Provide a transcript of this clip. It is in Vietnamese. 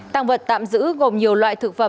tạng vật tạm giữ gồm nhiều loại thực phẩm